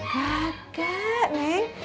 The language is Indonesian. gak gak neng